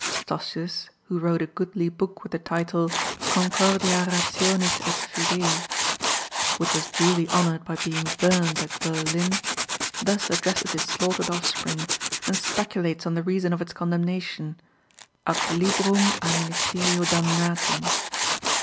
Stossius, who wrote a goodly book with the title "Concordia rationis et fidei," which was duly honoured by being burnt at Berlin, thus addresses his slaughtered offspring, and speculates on the reason of its condemnation: "Ad librum a ministerio damnatum.